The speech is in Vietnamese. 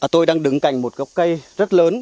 tôi đang đứng cạnh một gốc cây rất lớn